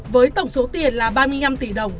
với tổng số tiền là ba mươi năm tỷ đồng